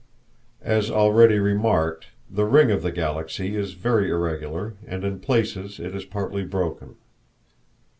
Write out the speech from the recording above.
As already remarked, the ring of the Galaxy is very irregular, and in places it is partly broken.